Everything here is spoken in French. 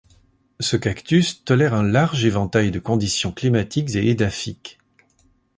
Ce cactus tolère un large éventail de conditions climatiques et édaphiques.